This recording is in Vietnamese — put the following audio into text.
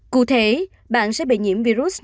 cụ thể bạn sẽ bị nhiễm virus này